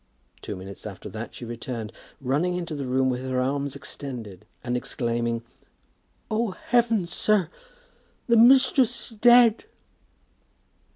Two minutes after that she returned, running into the room with her arms extended, and exclaiming, "Oh, heavens, sir; mistress is dead!"